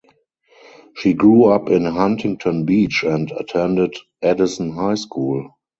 She grew up in Huntington Beach and attended Edison High School.